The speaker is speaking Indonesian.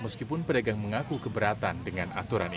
meskipun pedagang mengaku keberatan dengan aturan ini